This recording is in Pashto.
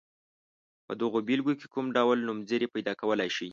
په دغو بېلګو کې کوم ډول نومځري پیداکولای شئ.